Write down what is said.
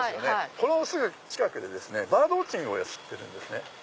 このすぐ近くでバードウオッチングをやってるんですね。